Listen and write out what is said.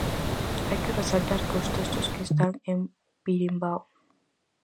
Hai que resaltar que os textos que están en "Birimbao".